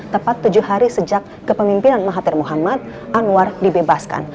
tepat tujuh hari sejak kepemimpinan mahathir muhammad anwar dibebaskan